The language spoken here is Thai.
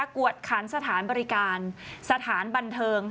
กวดขันสถานบริการสถานบันเทิง